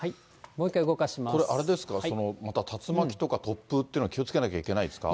これ、あれですか、また竜巻とか突風というのは気をつけなきゃいけないですか。